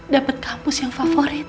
dapet kampus yang favorit